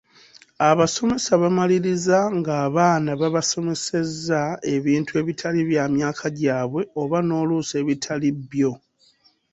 Abasomesa bamaliriza ng’abaana babasomesezza ebintu ebitali bya myaka gyabwe oba n’oluusi ebitali byo.